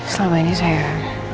selama ini saya